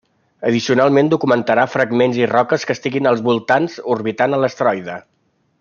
Addicionalment documentarà fragments i roques que estiguin als voltants orbitant a l'asteroide.